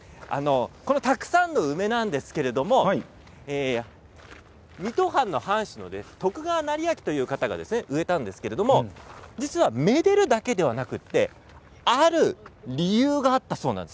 たくさんの梅なんですけれども水戸藩の藩主の徳川斉昭という方が植えたんですけれども実はめでるだけではなくある理由があったそうです。